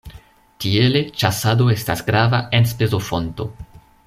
Tiele ĉasado estas grava enspezofonto.